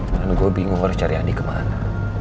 dan gue bingung harus cari andi kemana